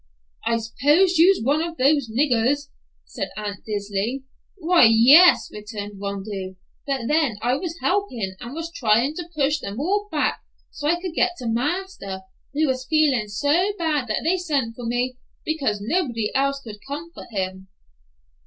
"I s'pose you's one of the niggers?" said Aunt Dilsey. "Why, yes," returned Rondeau; "but then I was helpin' and was tryin' to push them all back so I could get to marster, who was feelin' so bad that they sent for me, because nobody else could comfort him."